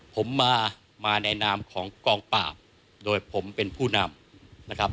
ผมมาในนามของกองปาบโดยนายเป็นผู้นำ